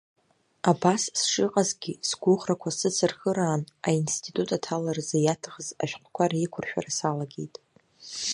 Абас сшыҟазгьы, сгәыӷрақәа сыцырхыраан аинститут аҭаларазы иаҭахыз ашәҟәқәа реиқәыршәара салагеит.